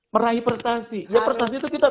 meraih prestasi ya prestasi itu tidak